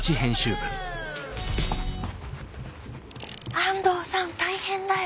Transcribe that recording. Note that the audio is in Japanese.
安藤さん大変だよ。